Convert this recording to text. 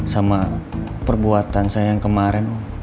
sama perbuatan saya yang kemaren om